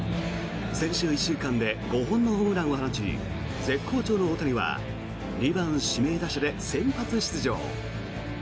先週１週間で５本のホームランを放ち絶好調の大谷は２番指名打者で先発出場。